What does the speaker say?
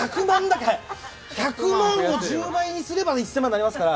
１００万を１０倍にすれば１０００万になりますから。